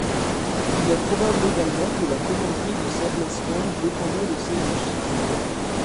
Il est probable également que la commanderie de Saddlescombe dépendait de celle de Shipley.